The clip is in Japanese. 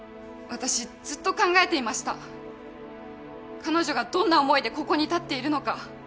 彼女がどんな思いでここに立っているのか。